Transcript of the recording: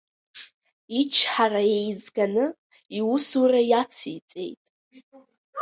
Ичҳара еизганы иусура иациҵеит.